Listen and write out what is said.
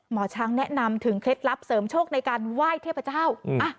หมอช้างแนะนำถึงเคล็ดลับเสริมโชคในการไหว้เทพเจ้า